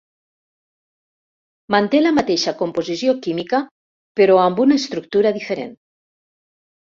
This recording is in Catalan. Manté la mateixa composició química, però amb una estructura diferent.